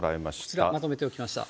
こちら、まとめておきました。